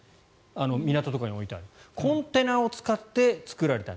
港とかに置いてあるコンテナを使って作られた。